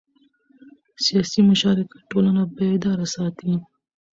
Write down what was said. سیاسي مشارکت ټولنه بیداره ساتي